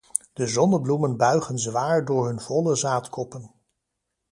De zonnebloemen buigen zwaar door hun volle zaadkoppen.